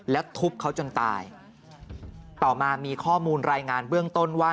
แล้วทุบเขาจนตายต่อมามีข้อมูลรายงานเบื้องต้นว่า